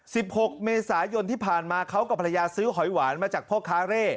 หกเมษายนที่ผ่านมาเขากับภรรยาซื้อหอยหวานมาจากพ่อค้าเร่